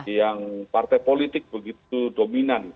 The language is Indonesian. yang partai politik begitu dominan